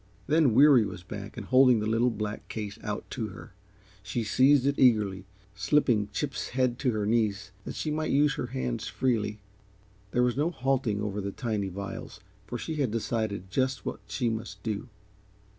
Then Weary was back and holding the little, black case out to her. She seized it eagerly, slipping Chip's head to her knees that she might use her hands freely. There was no halting over the tiny vials, for she had decided just what she must do.